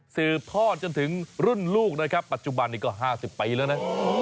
สืบทอดจนถึงรุ่นลูกนะครับปัจจุบันนี้ก็๕๐ปีแล้วนะ